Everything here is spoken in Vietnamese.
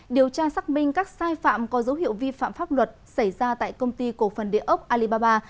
điều tra xác minh các sai phạm có dấu hiệu vi phạm pháp luật xảy ra tại công ty cổ phần địa ốc alibaba